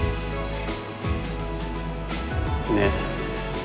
ねえ